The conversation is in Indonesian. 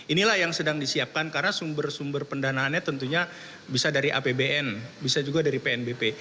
inilah yang sedang disiapkan karena sumber sumber pendanaannya tentunya bisa dari apbn bisa juga dari pnbp